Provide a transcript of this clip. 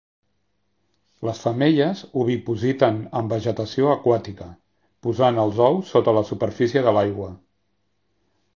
Les femelles ovipositen en vegetació aquàtica, posant els ous sota la superfície de l'aigua.